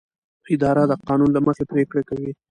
اداره د قانون له مخې پریکړې کوي.